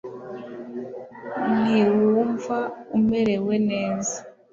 Ntiwumva umerewe neza